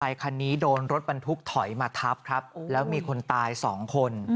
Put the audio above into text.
คันนี้โดนรถบรรทุกถอยมาทับครับแล้วมีคนตายสองคน